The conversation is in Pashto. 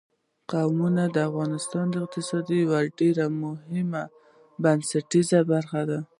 قومونه د افغانستان د اقتصاد یوه ډېره مهمه او بنسټیزه برخه ده.